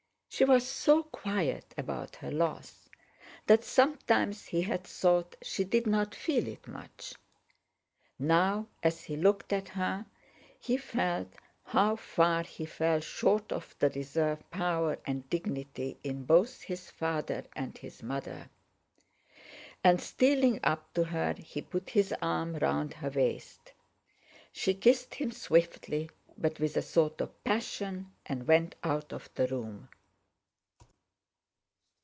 She was so quiet about her loss that sometimes he had thought she didn't feel it much. Now, as he looked at her, he felt how far he fell short of the reserve power and dignity in both his father and his mother. And, stealing up to her, he put his arm round her waist. She kissed him swiftly, but with a sort of passion, and went out of the room.